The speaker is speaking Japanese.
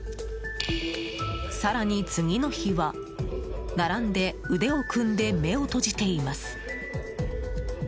更に次の日は、並んで腕を組んで目を閉じています。